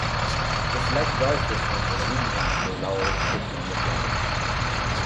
The Select Drive system was redesigned to allow Shift on the Fly.